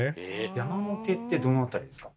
山の手ってどの辺りですか？